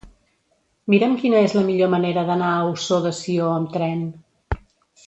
Mira'm quina és la millor manera d'anar a Ossó de Sió amb tren.